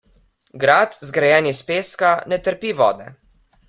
Grad, zgrajen iz peska, ne trpi vode.